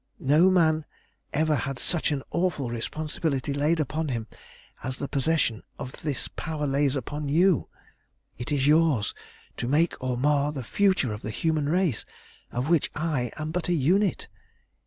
No man ever had such an awful responsibility laid upon him as the possession of this power lays upon you. It is yours to make or mar the future of the human race, of which I am but a unit.